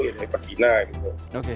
kalau tidak ya dari petina gitu